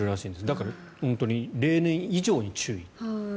だから本当に例年以上に注意と。